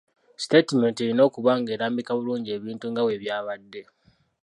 Sitaatimenti erina okuba ng'erambika bulungi ebintu nga bwe byabadde.